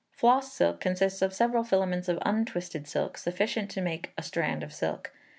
Floss silk consists of several filaments of untwisted silk sufficient to make a strand of silk.